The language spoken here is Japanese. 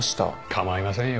構いませんよ。